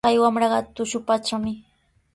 Kay wamraqa tushupatrami.